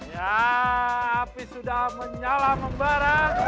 ya api sudah menyala membara